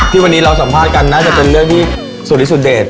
ที่วันนี้เราสัมภาษณ์กันน่าจะเป็นเรื่องที่สุดเด็ด